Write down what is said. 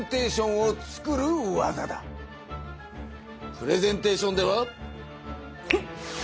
プレゼンテーションではフンッ！